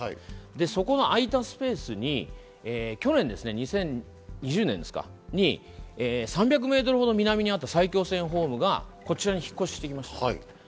その空いたスペースに去年２０２０年、３００ｍほど南にあった埼京線ホームがこちらに引っ越してきました。